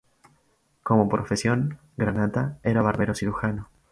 Como profesión, Granata era barbero cirujano.